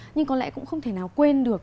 nhưng có lẽ cũng không thể nào quên được